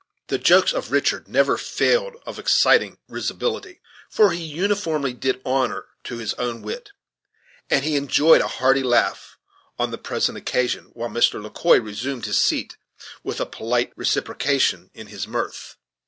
The jokes of Richard never failed of exciting risibility, for he uniformly did honor to his own wit; and he enjoyed a hearty laugh on the present occasion, while Mr. Le Quoi resumed his seat with a polite reciprocation in his mirth.